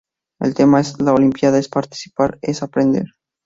El lema de la olimpiada es "Participar es aprender".